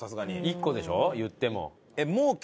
１個でしょいっても。